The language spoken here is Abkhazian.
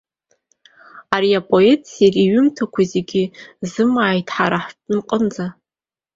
Ари апоет ссир иҩымҭақәа зегьы зымааит ҳара ҳҟынӡа.